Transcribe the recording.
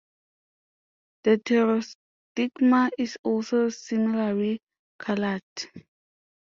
The pterostigma is also similarly colored.